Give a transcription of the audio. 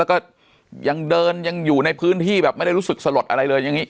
แล้วก็ยังเดินยังอยู่ในพื้นที่แบบไม่ได้รู้สึกสลดอะไรเลยอย่างนี้